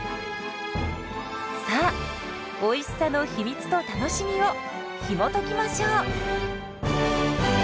さあおいしさの秘密と楽しみをひもときましょう！